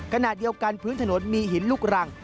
ขณะเดียวกันพื้นถนนมีหินลูกรัง